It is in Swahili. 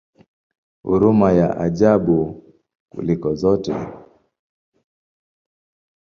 Huruma ya ajabu kuliko zote!